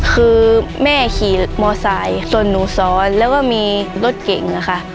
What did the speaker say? คือแม่ขี่มอไซค์ส่วนหนูซ้อนแล้วก็มีรถเก่งค่ะ